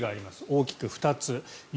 大きく２つ。